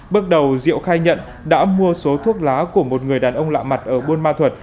bước đầu diệu khai nhận đã mua số thuốc lá của một người đàn ông lạ mặt ở buôn ma thuật